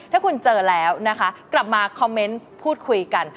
ถ้าคุณเจอแล้วนะคะกลับมาคอมเมนต์พูดคุยกัน